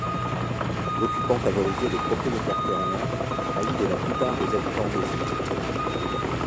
L'occupant favorisait les propriétaires terriens, haïs de la plupart des habitants des îles.